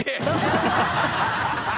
ハハハ